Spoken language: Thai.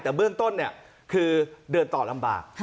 แต่เบื้องต้นคือเดินต่อลำบาก